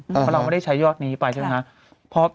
เพราะเราไม่ได้ใช้ยอดนี้ไปใช่ไหมครับ